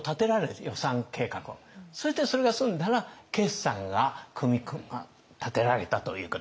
そしてそれが済んだら決算が立てられたということですね。